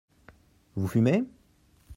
Vous fumez ?